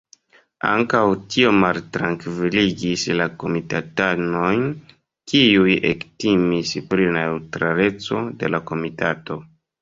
Ankaŭ tio maltrankviligis la komitatanojn, kiuj ektimis pri la neŭtraleco de la komitato.